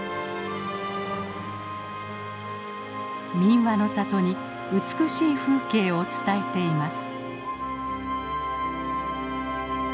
民話の里に美しい風景を伝えています。